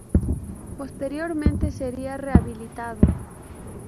Posteriormente sería rehabilitado.